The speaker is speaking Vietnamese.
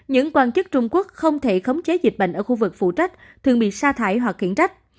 những quan chức trung quốc không thể khống chế dịch bệnh ở khu vực phụ trách thường bị sa thải hoặc khiển trách